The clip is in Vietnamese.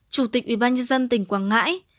chủ tịch ủy ban nhân dân tỉnh quảng ngãi